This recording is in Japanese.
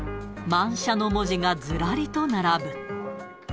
満車の文字がずらりと並ぶ。